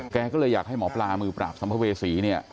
แกก็เลยอยากให้หมอปลามือปราบสัมภเวษีเนี่ย